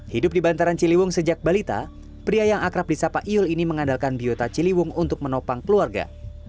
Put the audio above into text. hidup di bantaran ciliwung sejak balita pria yang akrab di sapa iul ini mengandalkan biota ciliwung untuk menopang keluarga